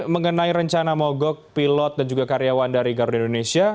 mengenai rencana mogok pilot dan juga karyawan dari garuda indonesia